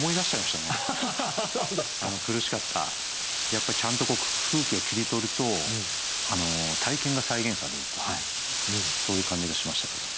やっぱりちゃんと風景を切り取ると体験が再現されるというかそういう感じがしましたけど。